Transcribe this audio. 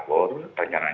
pak argo suara